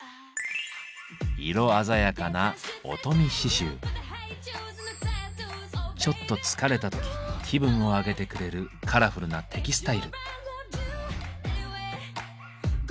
色鮮やかなちょっと疲れた時気分を上げてくれるカラフルなテキスタイル。